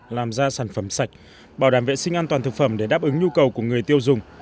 làm ra sản phẩm sạch bảo đảm vệ sinh an toàn thực phẩm để đáp ứng nhu cầu của người tiêu dùng